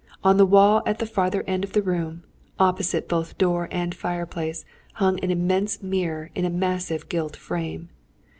On the wall at the farther end of the room, opposite both door and fireplace, hung an immense mirror in a massive gilt frame.